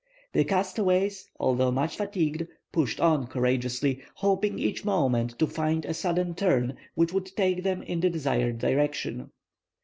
The castaways, although much fatigued, pushed on courageously, hoping each moment to find a sudden turn which would take them in the desired direction.